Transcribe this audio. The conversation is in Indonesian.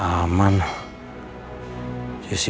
kamu yang kenapa